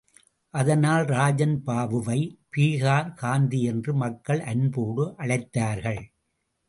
அதனால், ராஜன் பாபுவை பீகார் காந்தி என்று மக்கள் அன்போடு அழைத்தார்கள்.